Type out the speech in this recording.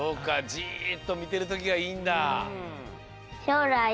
じっとみてるときがいいんだ。